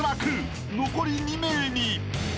［残り２名に］